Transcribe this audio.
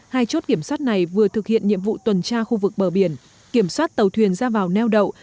hai chốt kiểm soát này vừa thực hiện nhiệm vụ tuần tra khu vực bờ biển kiểm soát tàu thuyền ra vào neo đậu